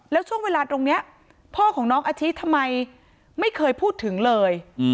แล้วช่วงเวลาตรงนี้พ่อของน้องอาชิทำไมไม่เคยพูดถึงเลย